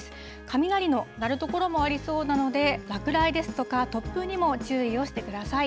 雷の鳴る所もありそうなので、落雷ですとか、突風にも注意をしてください。